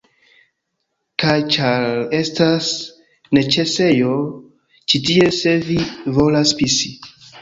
Kaj ĉar... estas neĉesejo ĉi tie se vi volas pisi